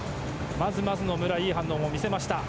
まずまずの武良いい反応を見せました。